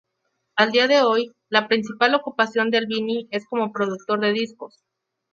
A día de hoy, la principal ocupación de Albini es como productor de discos.